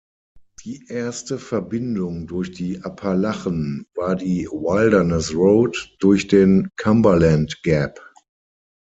Die erste Verbindung durch die Appalachen war die Wilderness Road durch den Cumberland Gap.